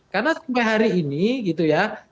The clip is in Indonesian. karena sampai hari ini gitu ya